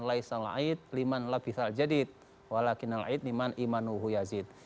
laisal a'id liman labihal jadid walakin al a'id liman imanuhu yazid